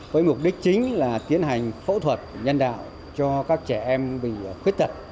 với mục đích chính là tiến hành phẫu thuật nhân đạo cho các trẻ em bị khuyết tật